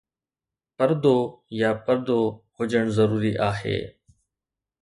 پردو يا پردو هجڻ ضروري آهي